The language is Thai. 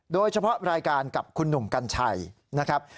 โดยเฉพาะรายการกับคุณหนุ่มกัญชัยนะครับ